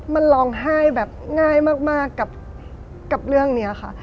มันร้องไห้แบบง่ายมากกับเรื่องนี้ค่ะ